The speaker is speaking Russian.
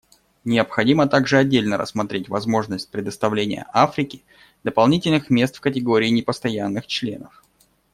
Необходимо также отдельно рассмотреть возможность предоставления Африке дополнительных мест в категории непостоянных членов.